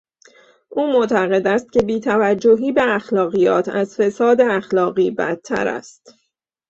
او معتقد است که بیتوجهی به اخلاقیات از فساد اخلاقی بدتر است.